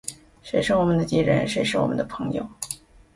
谁是我们的敌人？谁是我们的朋友？